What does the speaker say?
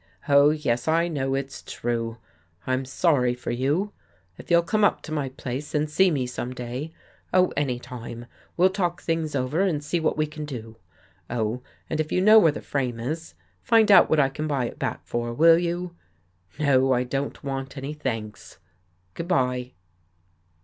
" Oh, yes, I know it's true. I'm sorry for you. If you'll come up to my place and see me some day, — oh, any time, we'll talk things over and see what we can do. Oh, and if you know where the frame is, find out what I can buy it back for, will you? No, I don't want any thanks. Good by!